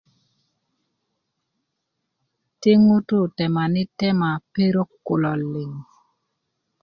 ti ŋutu temani tema perok kulo liŋ